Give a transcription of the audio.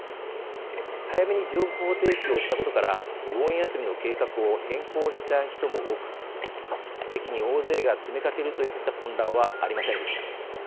早めに情報提供したことからお盆休みの計画を変更した人も多く駅に大勢が詰めかけるといった混乱はありませんでした。